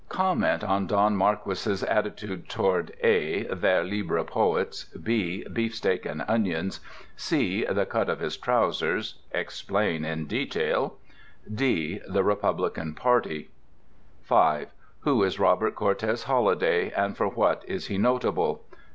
Comment on Don Marquis's attitude toward (a) vers libre poets (b) beefsteak and onions (c) the cut of his trousers (Explain in detail) (d) The Republican Party 5. Who is Robert Cortes Holliday, and for what is he notable?